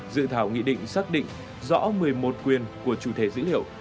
dự thảo nghị định xác định rõ một mươi một quyền của chủ thể dữ liệu